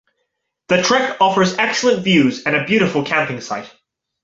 The trek offers excellent views and a beautiful camping site.